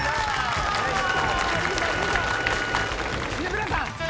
峯村さん！